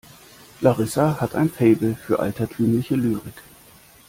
Larissa hat ein Faible für altertümliche Lyrik.